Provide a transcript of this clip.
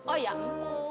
oh iya empuk